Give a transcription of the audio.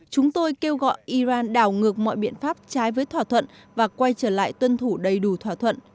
chúng tôi kêu gọi iran đảo ngược mọi biện pháp trái với thỏa thuận và quay trở lại tuân thủ đầy đủ thỏa thuận